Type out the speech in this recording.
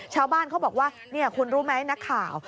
ชาวบ้านเขาบอกว่านี่คุณรู้ไหมนักข่าว